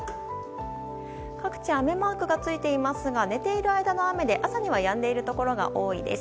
各地、雨マークがついていますが寝ている間の雨で朝にはやんでいるところが多いです。